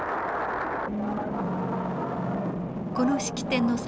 この式典の最中